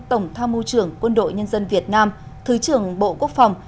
tổng tham mưu trưởng quân đội nhân dân việt nam thứ trưởng bộ quốc phòng